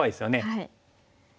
はい。